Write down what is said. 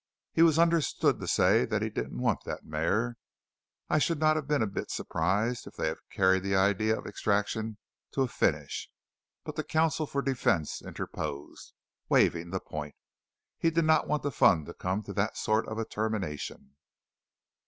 He was understood to say that he didn't want that mare. I should not have been a bit surprised if they had carried the idea of extraction to a finish; but the counsel for defence interposed, waiving the point. He did not want the fun to come to that sort of a termination.